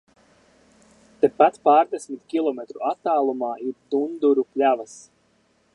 Tepat pārdesmit kilometru attālumā ir Dunduru pļavas.